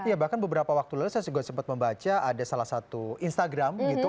ya bahkan beberapa waktu lalu saya juga sempat membaca ada salah satu instagram gitu